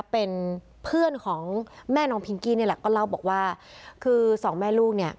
เป็นเพื่อนของแม่น้องพิงกี้นี่แหละก็เล่าบอกว่าคือสองแม่ลูกเนี่ย